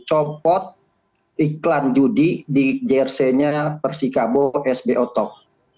copot iklan judi di jrc nya persikabo sbo talk